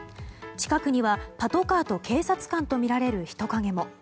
近くにはパトカーと警察官とみられる人影も。